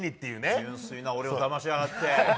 純粋な俺をだましやがって。